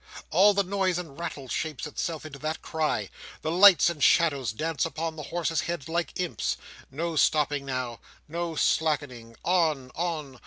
All the noise and rattle shapes itself into that cry. The lights and shadows dance upon the horses' heads like imps. No stopping now: no slackening! On, on!